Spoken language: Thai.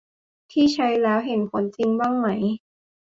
ที่ใช้แล้วเห็นผลจริงบ้างไหม